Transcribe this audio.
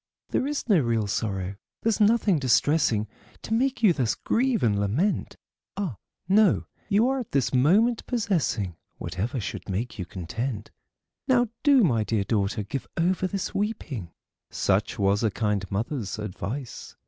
There is no real sorrow, there's nothing distressing, To make you thus grieve and lament. Ah! no; you are just at this moment possessing Whatever should make you content. Now do, my dear daughter, give over this weeping," Such was a kind mother's advice.